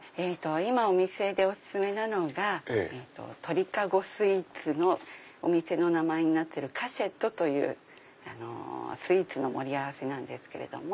今お店でお薦めなのが鳥籠スイーツのお店の名前になってるカシェットというスイーツの盛り合わせなんですけれども。